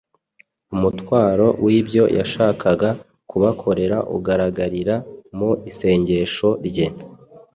Umutwaro w’ibyo yashakaga kubakorera ugaragarira mu isengesho rye